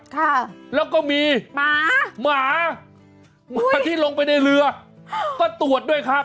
ค่ะแล้วก็มีหมาหมาหมาที่ลงไปในเรือก็ตรวจด้วยครับ